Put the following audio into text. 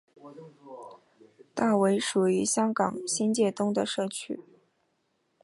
大围属于香港新界东的社区。